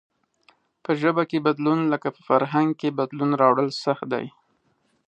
په ژبه کې بدلون لکه په فرهنگ کې بدلون راوړل سخت دئ.